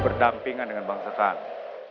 berdampingan dengan bangsa kami